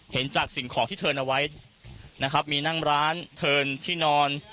เห็นจากสิ่งของที่เทินเอาไว้นะครับมีนั่งร้านเทินที่นอน